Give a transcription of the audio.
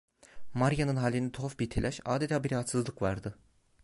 Maria'nın halinde tuhaf bir telaş, adeta bir rahatsızlık vardı.